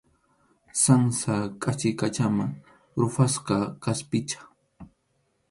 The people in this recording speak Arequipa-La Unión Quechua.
Sansa qachiykachana ruphasqa kʼaspicha.